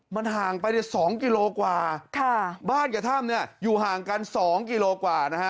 มันห่างไป๒กิโลกว่าบ้านกับถ้ำอยู่ห่างกัน๒กิโลกว่า